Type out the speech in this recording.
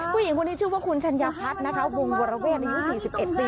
ผู้หญิงคนนี้ชื่อว่าคุณชัญพัฒน์นะคะวงวรเวศอายุ๔๑ปี